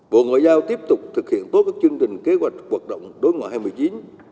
bộ ngoại giao tiếp tục thực hiện tốt các chương trình kế hoạch hoạt động đối ngoại hai mươi chín